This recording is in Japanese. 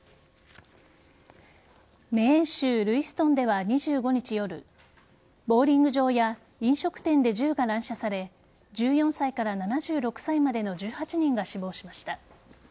メーン州ルイストンでは２５日夜ボウリング場や飲食店で銃が乱射され１４歳から７６歳までの１８人が死亡しました。